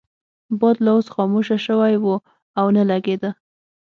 باد لا اوس خاموشه شوی وو او نه لګیده.